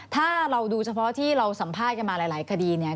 ถ้าเราดูเฉพาะที่เราสัมภาษณ์กันมาหลายคดีเนี่ย